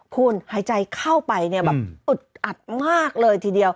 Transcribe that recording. คุณหายใจเข้าไปเนี่ยแบบอึดอัดมากเลยทีเดียว